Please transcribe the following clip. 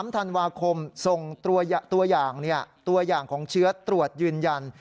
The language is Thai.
๓ธันวาคมส่งตัวอย่างตัวอย่างของเชื้อตรวจยืนยัน